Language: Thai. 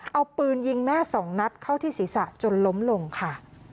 เอาปืนยิงแม่สองนัดเข้าที่ศีรษะจนล้มลงค่ะ